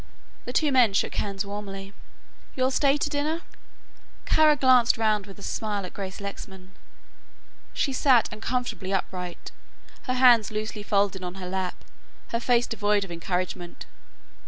The two men shook hands warmly. "You'll stay to dinner?" Kara glanced round with a smile at Grace Lexman. She sat uncomfortably upright, her hands loosely folded on her lap, her face devoid of encouragement.